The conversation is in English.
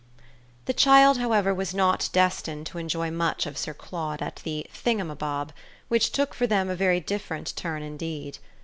XVIII The child, however, was not destined to enjoy much of Sir Claude at the "thingumbob," which took for them a very different turn indeed.